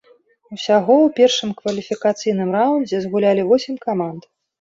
Усяго ў першым кваліфікацыйным раўндзе згулялі восем каманд.